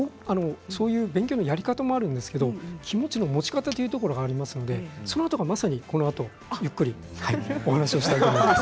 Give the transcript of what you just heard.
そういう勉強のやり方もあるんですけれども気持ちの持ち方というのがありますので、それはこのあとゆっくりお話をしたいと思います。